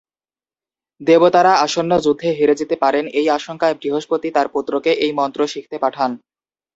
দেবতারা আসন্ন যুদ্ধে হেরে যেতে পারেন এই আশঙ্কায় বৃহস্পতি তার পুত্রকে এই মন্ত্র শিখতে পাঠান।